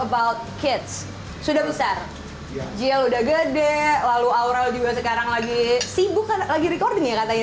about kids sudah besar gia udah gede lalu aura juga sekarang lagi sibuk lagi recording ya katanya